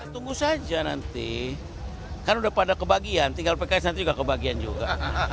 tunggu saja nanti kan udah pada kebagian tinggal pks nanti juga kebagian juga